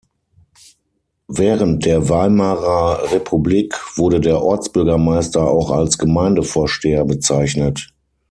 Während der Weimarer Republik wurde der Ortsbürgermeister auch als „Gemeindevorsteher“ bezeichnet.